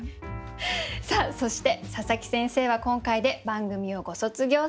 さあそして佐佐木先生は今回で番組をご卒業されます。